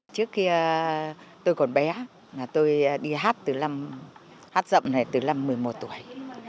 trước khi tôi còn bé tôi đi hát dạm từ lâm một mươi một tuổi